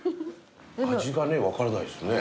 味がね分からないですね